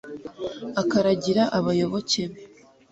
akaragira abayoboke be